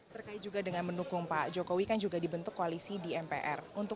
terkait juga dengan mendukung pak jokowi kan juga dibentuk koalisi di mpr